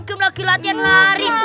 gak lagi latihan lari